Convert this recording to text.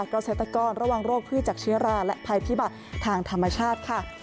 เกษตรกรระวังโรคพืชจากเชื้อราและภัยพิบัติทางธรรมชาติค่ะ